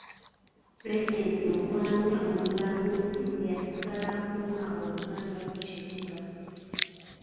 Regent Magwanya Omulamuzi ye yasigala akuuma Obuganda ku kibuga.